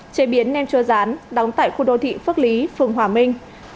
chế biến nem chua rán đóng tại khu đô thị phước lý phường hòa minh